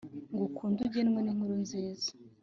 ngo ukunde ugengwe n’inkuru nziza